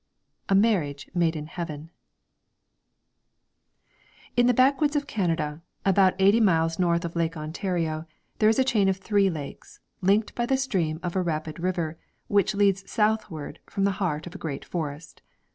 II A MARRIAGE MADE IN HEAVEN In the backwoods of Canada, about eighty miles north of Lake Ontario, there is a chain of three lakes, linked by the stream of a rapid river, which leads southward from the heart of a great forest.